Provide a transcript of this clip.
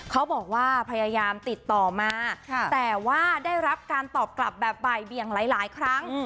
เขาบอกว่าพยายามติดต่อมาแต่ว่าได้รับการตอบกลับแบบบ่ายเบียงหลายครั้ง